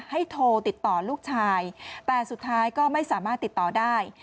โทรติดต่อลูกชายแต่สุดท้ายก็ไม่สามารถติดต่อได้